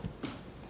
và hối lộ